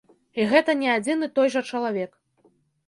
І гэта не адзін і той жа чалавек.